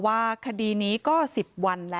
เหตุการณ์เกิดขึ้นแถวคลองแปดลำลูกกา